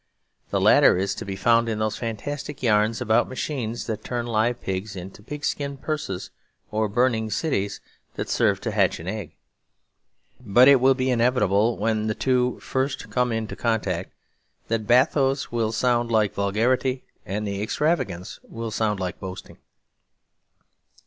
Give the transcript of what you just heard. The latter is to be found in those fantastic yarns about machines that turn live pigs into pig skin purses or burning cities that serve to hatch an egg. But it will be inevitable, when the two come first into contact, that the bathos will sound like vulgarity and the extravagance will sound like boasting.